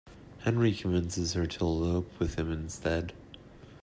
Henry convinces her to elope with him instead.